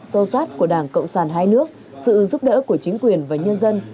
sâu sát của đảng cộng sản hai nước sự giúp đỡ của chính quyền và nhân dân